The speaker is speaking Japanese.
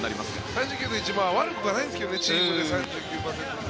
３９．１で悪くはないんですけどねチームで３９％は。